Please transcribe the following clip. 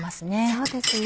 そうですね。